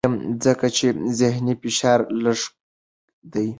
زه ارام یم ځکه چې ذهني فشار لږ دی.